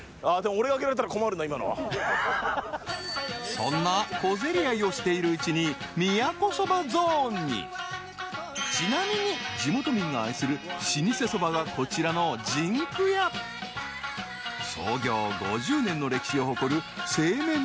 そんな小競り合いをしているうちに宮古そばゾーンにちなみに地元民が愛する老舗そばがこちらのじんく屋創業５０年の歴史を誇る製麺所